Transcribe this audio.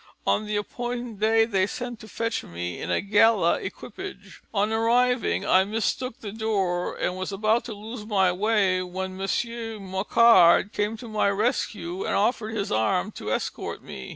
On the appointed day, they sent to fetch me in gala equipage. On arriving, I mistook the door and was about to lose my way, when M. Mocquard came to my rescue and offered his arm to escort me.